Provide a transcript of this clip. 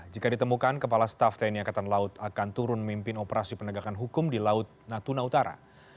jika ditemukan kepala staff tni angkatan laut akan turun memimpin operasi penegakan hukum di laut natuna utara